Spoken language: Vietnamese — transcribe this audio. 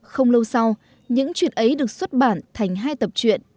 không lâu sau những chuyện ấy được xuất bản thành hai tập truyện